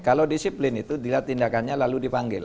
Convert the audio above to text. kalau disiplin itu tindakannya lalu dipanggil